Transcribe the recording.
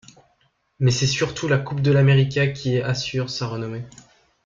Mais, c'est surtout la Coupe de l'América qui assure sa renommée.